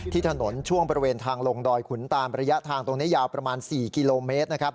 ที่ถนนช่วงประเภททางลงดอยขุนตามระยะทางตรงนี้ยาวประมาณ๔กิโลเมตร